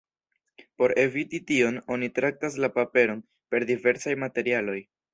Por eviti tion, oni traktas la paperon per diversaj materialoj.